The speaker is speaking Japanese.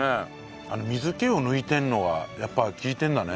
水気を抜いてるのがやっぱり利いてるんだね。